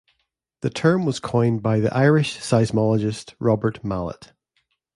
The term was coined by the Irish seismologist Robert Mallet.